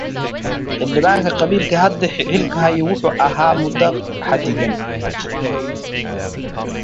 Incumbent Tribal Councilor Joe Byrd was term limited.